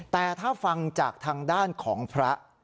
แต่ถ้าฟังจากทางด้านของพระ